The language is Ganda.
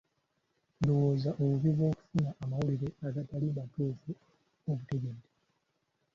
Ndowooza obubi bwokufuna amawulire agatali matuufu obutegedde?